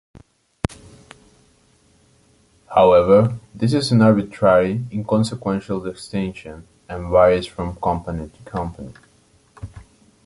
However, this is an arbitrary, inconsequential distinction, and varies from company to company.